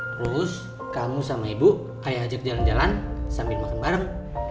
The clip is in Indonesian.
terus kamu sama ibu ayo ajak jalan jalan sambil makan bareng